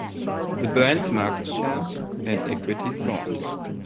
The brand's market share and equity soared.